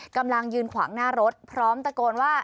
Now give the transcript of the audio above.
กำลังยืนขวางหน้ารถพร้อมตะโกนว่า